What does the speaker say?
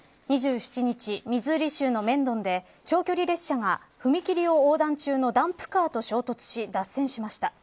２７日、ミズーリ州のメンドンで長距離列車が踏切を横断中のダンプカーと衝突し脱線しました。